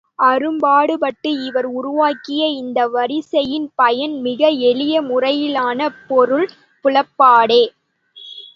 அரும்பாடுபட்டு இவர் உருவாக்கிய இந்த வரிசையின் பயன் மிக எளிய முறையிலான பொருள் புலப்பாடே.